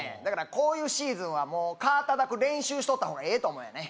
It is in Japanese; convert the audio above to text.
こういうシーズンはもう蚊叩く練習しとった方がええと思うよね